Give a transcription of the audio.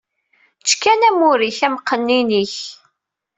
Ečč kan amur-ik, amqennin-ik!